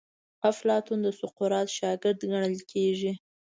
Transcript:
افلاطون د سقراط شاګرد ګڼل کیږي.